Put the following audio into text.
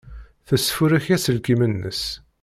Tesfurek aselkim-nnes.